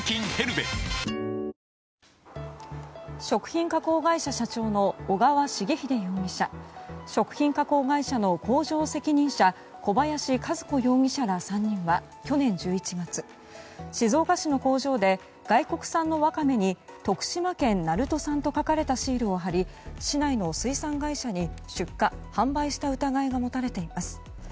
食品加工会社社長の小川重英容疑者食品会社の工場責任者小林和子容疑者ら３人は去年１１月、静岡市の工場で外国産のワカメに徳島県鳴門産と書かれたシールを貼り市内の水産会社に出荷・販売した疑いが持たれています。